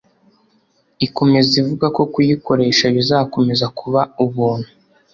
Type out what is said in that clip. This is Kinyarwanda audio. ikomeza ivuga ko kuyikoresha bizakomeza kuba ubuntu